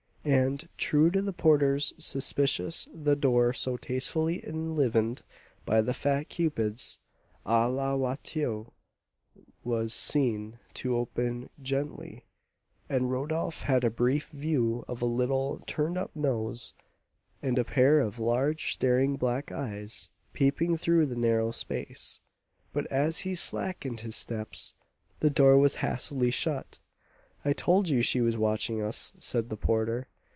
And, true to the porter's suspicions, the door so tastefully enlivened by the fat Cupids, à la Watteau, was seen to open gently, and Rodolph had a brief view of a little, turned up nose, and a pair of large, staring black eyes, peeping through the narrow space; but, as he slacked his steps, the door was hastily shut. "I told you she was watching us," said the porter.